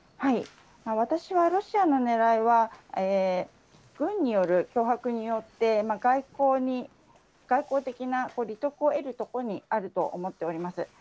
私は、ロシアのねらいは、軍による脅迫によって、外交的な利得を得るところにあると思っております。